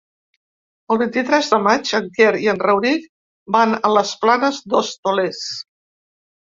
El vint-i-tres de maig en Quer i en Rauric van a les Planes d'Hostoles.